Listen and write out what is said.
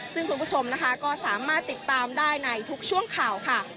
ซึ่งคุณผู้ชมนะคะก็สามารถติดตามได้ในทุกช่วงข่าวค่ะ